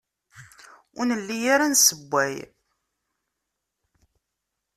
Ur nelli ara nessewway.